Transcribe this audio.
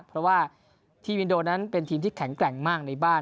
เพราะว่าทีมอินโดนั้นเป็นทีมที่แข็งแกร่งมากในบ้าน